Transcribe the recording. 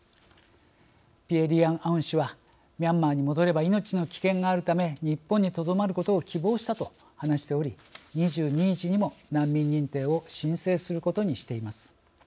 ピエ・リアン・アウン氏は「ミャンマーに戻れば命の危険があるため日本にとどまることを希望した」と話しており２２日にも難民認定を申請することにしています。